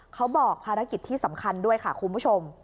เขาบอกภารกิจที่สำคัญด้วยค่ะคุณผู้ชม